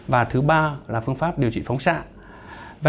và thứ ba là phương pháp điều trị phóng xạ